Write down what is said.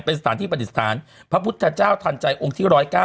เป็นสถานที่ประดิษฐานพระพุทธเจ้าทันใจองค์ที่๑๐๙